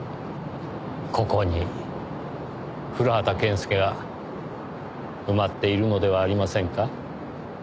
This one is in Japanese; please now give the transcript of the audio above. ここに古畑健介が埋まっているのではありませんか？